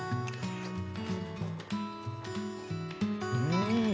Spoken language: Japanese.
うん。